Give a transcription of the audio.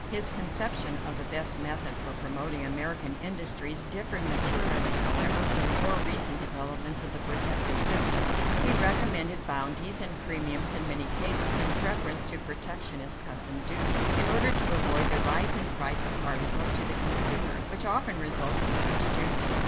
His conception of the best method for promoting American industries differed materially, however, from more recent developments of the protective system. He recommended bounties and premiums in many cases in preference to protectionist customs duties, in order to avoid the rise in the price of articles to the consumer which often results from such duties.